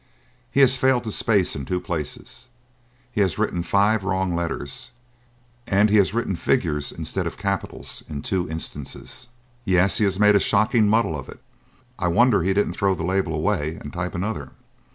He has failed to space in two places, he has written five wrong letters, and he has written figures instead of capitals in two instances." "Yes; he has made a shocking muddle of it. I wonder he didn't throw the label away and type another."